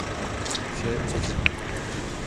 Vše je uzavřeno.